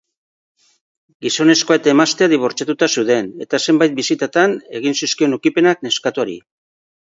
Gizonezkoa eta emaztea dibortziatuta zeuden, eta zenbait bisitatan egin zizkion ukipenak neskatoari.